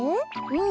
うん。